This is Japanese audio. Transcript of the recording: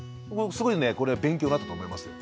すごいねこれは勉強になったと思いますよ。